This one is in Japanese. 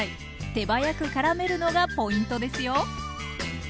手早くからめるのがポイントですよ。